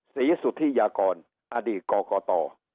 ศรีสุธิยากรอดีตกรกต